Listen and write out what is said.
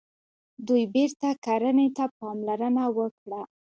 دوی بیرته کرنې ته پاملرنه وکړه.